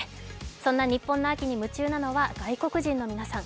そんな日本の秋に夢中なのは外国人の皆さん